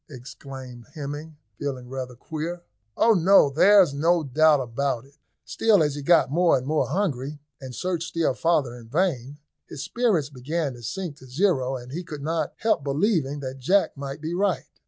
exclaimed Hemming, feeling rather queer. "Oh, no! there's no doubt about it." Still, as he got more and more hungry, and searched still farther in vain, his spirits began to sink to zero, and he could lot help believing that Jack might be right.